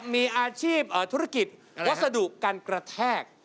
มีอาชีพธุรกิจวัสดุการกระแทก